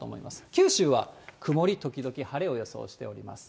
九州は曇り時々晴れを予想しております。